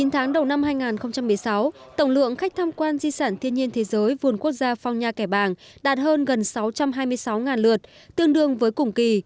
chín tháng đầu năm hai nghìn một mươi sáu tổng lượng khách tham quan di sản thiên nhiên thế giới vườn quốc gia phong nha kẻ bàng đạt hơn gần sáu trăm hai mươi sáu lượt tương đương với cùng kỳ